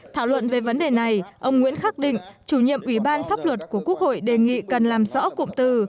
thảo luận về vấn đề này ông nguyễn khắc định chủ nhiệm ủy ban pháp luật của quốc hội đề nghị cần làm rõ cụm từ